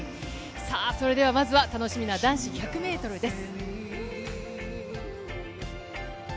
まずは楽しみな男子１００ｍです。